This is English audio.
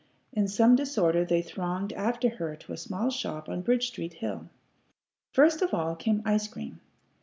In some disorder they thronged after her to a small shop on Bridge Street hill. First of all came ice cream.